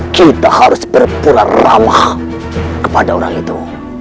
kita harus berpura rawa kepada orang itu